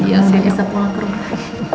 ya saya bisa pulang ke rumah